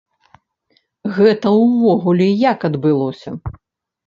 Гэта ўвогуле як адбылося?